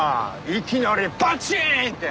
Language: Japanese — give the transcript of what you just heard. いきなりバチーン！って。